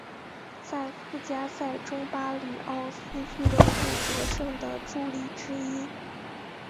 在附加赛中巴里奥斯俱乐部得胜的助力之一。